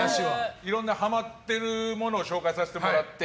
いろんなハマってるものを紹介させてもらって。